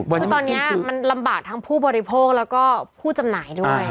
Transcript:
คือตอนนี้มันลำบากทั้งผู้บริโภคแล้วก็ผู้จำหน่ายด้วย